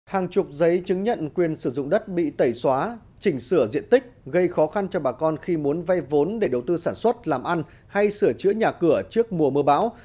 hàng chục giấy chứng nhận quyền sử dụng đất bị tẩy xóa chỉnh sửa diện tích gây khó khăn cho bà con khi muốn vay vốn để đầu tư sản xuất làm ăn hay sửa chữa nhà cửa trước mùa mưa bão